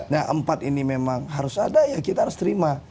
yang memang harus ada ya kita harus terima